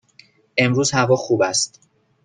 امروز هوا خوب است.